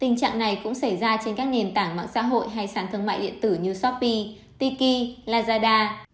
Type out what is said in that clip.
tình trạng này cũng xảy ra trên các nền tảng mạng xã hội hay sản thương mại điện tử như shopee tiki lazada